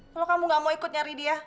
kalau kamu gak mau ikut nyari dia